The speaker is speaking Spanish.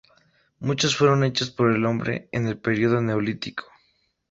Muchos fueron hechos por el hombre en el período Neolítico.